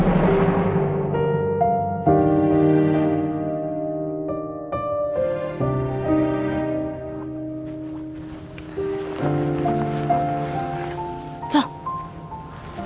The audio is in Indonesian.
sekarang next kali